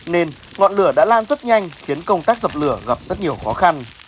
nên ngọn lửa đã lan rất nhanh khiến công tác dập lửa gặp rất nhiều khó khăn